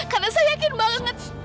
karena saya yakin banget